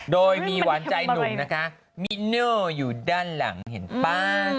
โดยมีหวานใจหนุ่มนะคะมิโน่อยู่ด้านหลังเห็นป่ะ